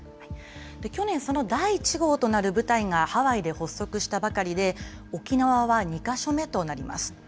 去年、その第１号となる部隊がハワイで発足したばかりで、沖縄は２か所目となります。